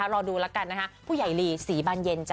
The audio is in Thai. รอดูละกันนะคะผู้ใหญ่รีสีบานเย็นจ้ะ